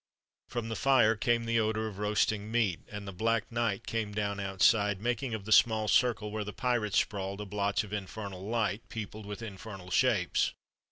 From the fire came the odor of roasting meat, and the black night came down outside, making of the small circle where the pirates sprawled a blotch of infernal light, peopled with infernal shapes.